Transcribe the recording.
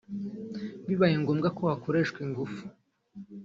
bibayengombwa ko hakoreshwa igufu